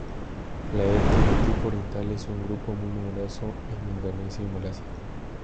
La etnia del tipo oriental es un grupo muy numeroso en Indonesia y Malasia.